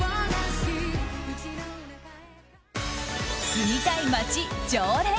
住みたい街常連